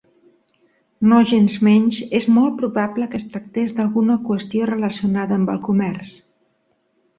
Nogensmenys, és molt probable que es tractés d'alguna qüestió relacionada amb el comerç.